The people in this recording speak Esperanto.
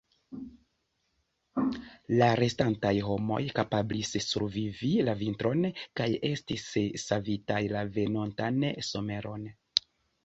La restantaj homoj kapablis survivi la vintron, kaj estis savitaj la venontan someron.